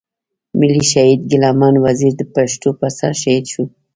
ملي شهيد ګيله من وزير د پښتنو پر سر شهيد شو.